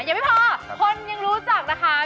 อย่าพี่พอคนยังรู้จักนะคะ